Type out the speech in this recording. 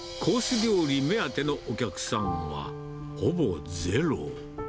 料理目当てのお客さんはほぼゼロ。